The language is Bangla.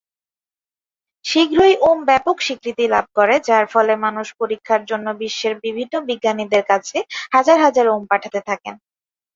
শীঘ্রই ওম ব্যাপক স্বীকৃতি লাভ করে, যার ফলে মানুষ পরীক্ষার জন্য বিশ্বের বিভিন্ন বিজ্ঞানীদের কাছে হাজার হাজার ওম পাঠাতে থাকেন।